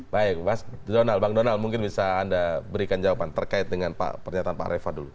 baik mas donald mungkin bisa anda berikan jawaban terkait dengan pernyataan pak reva dulu